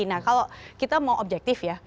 nah kalau kita mau objektif ya